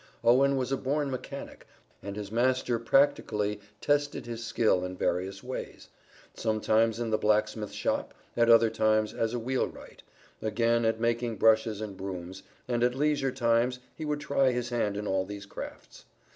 Owen was a born mechanic, and his master practically tested his skill in various ways; sometimes in the blacksmith shop at other times as a wheelwright again at making brushes and brooms, and at leisure times he would try his hand in all these crafts.